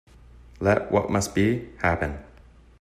Let what must be, happen.